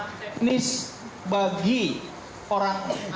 pelanggan teknis bagi orang it yang hidupnya di it